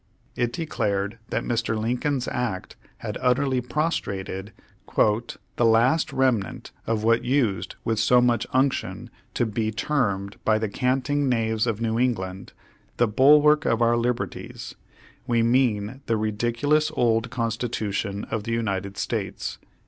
It declared that Mr. Lincoln's act had utterly prostrated "the last remnant of what used with so much unction to be termed by the canting knaves of New England, 'the bulwark of our liber Page One Hundred three ties' — we mean the ridiculous old Constitution of the United States."